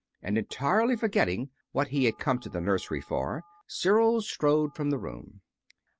And, entirely forgetting what he had come to the nursery for, Cyril strode from the room.